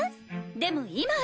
でも今は！